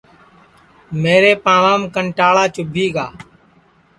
میرے پانٚوام کنٹاݪا چُوبھی گا